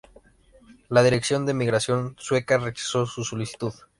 La Dirección de Migración Sueca rechazó su solicitud.